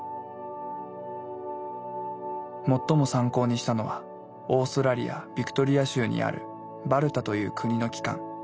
最も参考にしたのはオーストラリア・ビクトリア州にあるバルタという国の機関。